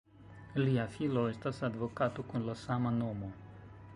Lia filo estas advokato kun la sama nomo.